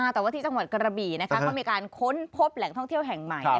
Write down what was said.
แต่ที่จังหวัดกระบีก็มีการค้นพบแห่งท่องเที่ยวใหม่